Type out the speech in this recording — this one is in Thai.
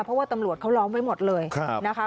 เพราะว่าตำรวจเขาล้อมไว้หมดเลยนะคะ